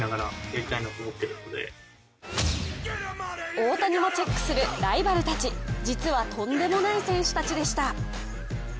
大谷もチェックするライバルたち実はとんでもない選手たちでした。